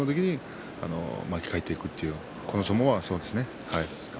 その時に巻き替えていくという相撲がそうですね。